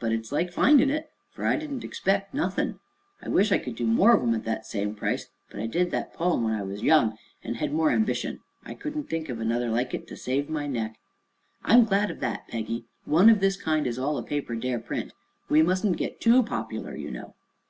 "But it's like findin' it, for I didn't expect nuth'n'. I wish I could do more of 'em at the same price; but I did thet pome when I were young an' hed more ambition. I couldn't think of another like it to save my neck." "I am glad of that, Peggy. One of this kind is all a paper dare print. We mustn't get too popular, you know."